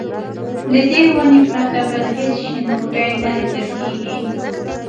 له دې ونې پرته بل هېڅ شین بوټی نه لیدل کېږي.